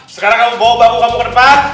sekarang kamu bawa baku kamu ke tempat